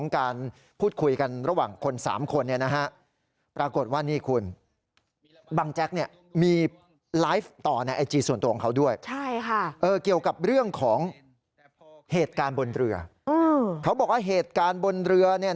มันมันมันมันมันมันมันมันมันมันมัน